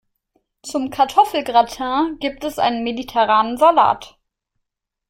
Zum Kartoffelgratin gibt es einen mediterranen Salat.